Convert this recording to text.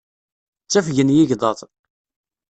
Ttafgen yigḍaḍ.